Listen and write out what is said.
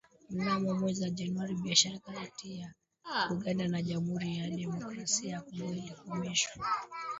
Mnamo mwezi Januari biashara kati ya Uganda na Jamuhuri ya Demokrasia ya Kongo ilikomeshwa